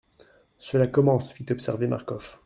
Cela commence ! fit observer Marcof.